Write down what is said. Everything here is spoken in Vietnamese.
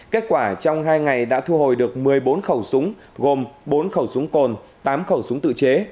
kết quả trong hai ngày đã thu hồi được một mươi bốn khẩu súng gồm bốn khẩu súng cồn tám khẩu súng tự chế